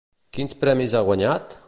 Quins premis ha guanyat?